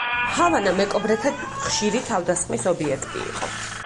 ჰავანა მეკობრეთა ხშირი თავდასხმის ობიექტი იყო.